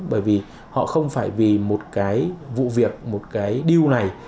bởi vì họ không phải vì một cái vụ việc một cái diêu này